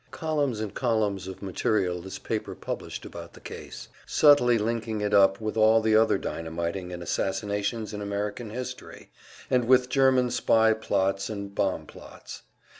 Columns and columns of material this paper published about the case, subtly linking it up with all the other dynamitings and assassinations in American history, and with German spy plots and bomb plots.